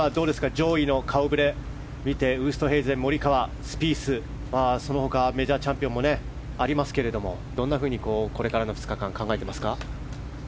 上位の顔ぶれを見てウーストヘイゼン、モリカワスピース、その他メジャーチャンピオンもありますけどもどんなふうに、これからの２日間考えていますか？